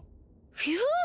フューズ！